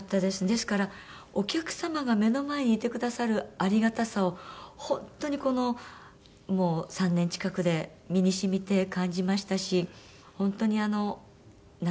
ですからお客様が目の前にいてくださるありがたさを本当にこのもう３年近くで身に染みて感じましたし本当にあのなんていうんでしょう